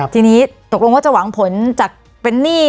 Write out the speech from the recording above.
ทีนี้ตกลงว่าจะหวังผลจากเป็นหนี้